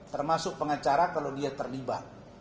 termasuk pengacara kalau dia terlibat